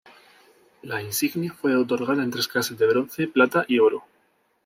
La insignia fue otorgada en tres clases de bronce, plata y oro.